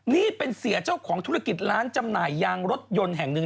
นี่เป็นเสียเจ้าของธุรกิจร้านจำหน่ายยางรถยนต์แห่งหนึ่ง